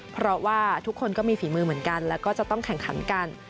เพราะว่าทุกคนก็มีฝีมือเหมือนกันแล้วก็จะต้องแข่งขันกัน